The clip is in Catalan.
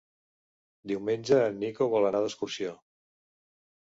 Diumenge en Nico vol anar d'excursió.